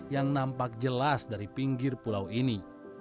yang nampak jelas dari pinggir pulau ini